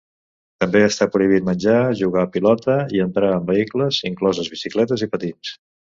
També està prohibit menjar, jugar a pilota i entrar amb vehicles, incloses bicicletes i patins.